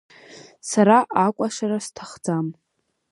Сара акәашара сҭахӡам.